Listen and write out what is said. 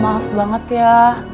maaf banget ya